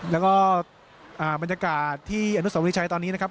แล้วก็บรรยากาศที่อนุสวรีชัยตอนนี้นะครับ